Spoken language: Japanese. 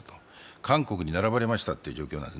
韓国に並ばれましたという状況です。